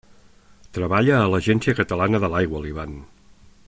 Treballa a l'Agència Catalana de l'Aigua, l'Ivan.